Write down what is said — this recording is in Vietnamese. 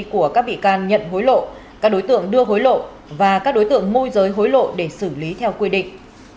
của các bị can nhận hối lộ các đối tượng đưa hối lộ và các đối tượng môi giới hối lộ để xử lý theo quy định